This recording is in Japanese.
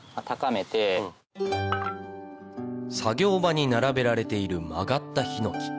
作業場に並べられている曲がったヒノキ